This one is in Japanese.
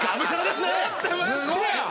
すごい！